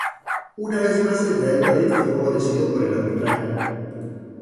Una vez más el Real Madrid fue favorecido por el arbitraje